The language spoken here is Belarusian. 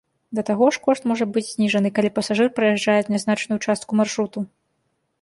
Да таго ж, кошт можа быць зніжаны, калі пасажыр праязджае нязначную частку маршруту.